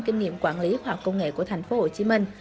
kinh nghiệm quản lý khoa học công nghệ của thành phố hồ chí minh